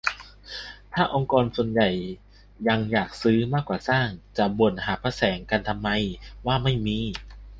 ถ้าองค์กรส่วนใหญ่ยังอยากซื้อมากกว่าสร้าง จะมาบ่นหาพระแสงกันทำไมว่าไม่มี